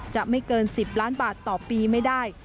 จะไม่เกิน๑๐ล้านบาทต่อปีไม่ได้